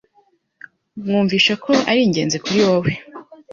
Mwumvishe ko ari ingenzi kuri wowe